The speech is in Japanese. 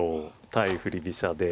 対振り飛車で。